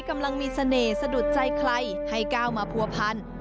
กำลังมีเสน่ห์สะดุดใจใครให้ก้าวมาผัวพัน